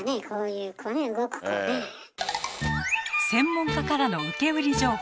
専門家からの受け売り情報。